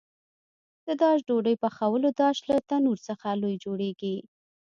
د داش ډوډۍ پخولو داش له تنور څخه لوی جوړېږي.